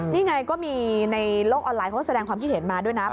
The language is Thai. นี่ไงก็มีในโลกออนไลน์เขาแสดงความคิดเห็นมาด้วยนะ